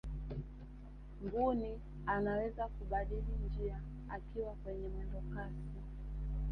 mbuni anaweza kubadili njia akiwa kwenye mwendo kasi